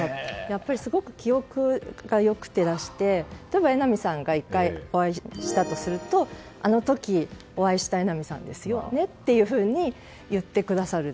やっぱりすごく記憶が良くてらして例えば榎並さんが１回お会いしたとするとあの時お会いした榎並さんですよねというふうに言ってくださる。